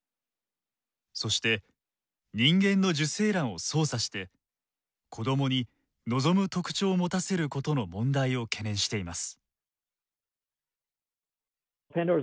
そして人間の受精卵を操作して子供に望む特徴を持たせることの問題を懸念しています。